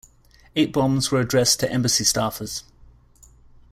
Eight bombs were addressed to embassy staffers.